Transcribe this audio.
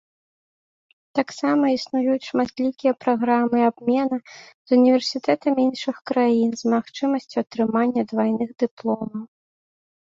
Таксама існуюць шматлікія праграмы абмена с універсітэтамі іншых краін з магчымасцю атрымання двайных дыпломаў.